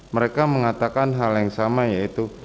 mereka mengatakan hal yang sama yaitu